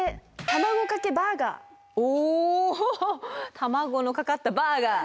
卵のかかったバーガー。